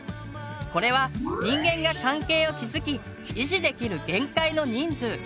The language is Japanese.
これは人間が関係を築き維持できる限界の人数。